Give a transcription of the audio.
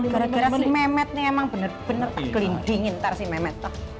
gara gara si memet ini emang bener bener tak kelindingin ntar si memet